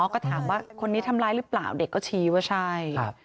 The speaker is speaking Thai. ก็ถามว่าคนนี้ทำร้ายหรือเปล่าเด็กก็ชี้ว่าใช่